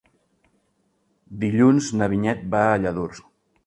Dilluns na Vinyet va a Lladurs.